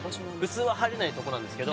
普通は入れないとこなんですけど。